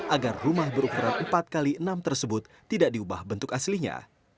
agar rumah berukuran empat x enam tersebut tidak diubah bentuk aslinya